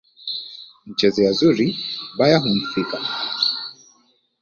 Mchezea zuri, baya humfika